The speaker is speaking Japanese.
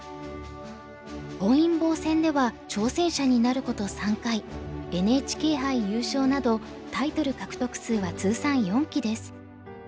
本因坊戦では挑戦者になること３回ＮＨＫ杯優勝などタイトル獲得数は通算４期です。